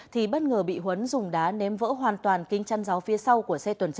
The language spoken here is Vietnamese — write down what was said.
thì bất ngờ bị huấn dùng đá ném vỡ hoàn toàn kính chăn giáo phía sau của xe tuần tra